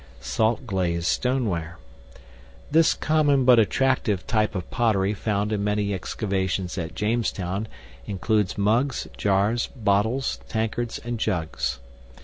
Salt glazed Stoneware. This common but attractive type of pottery found in many excavations at Jamestown includes mugs, jars, bottles, tankards, and jugs.